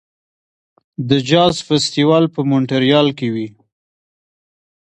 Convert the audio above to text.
د جاز فستیوال په مونټریال کې وي.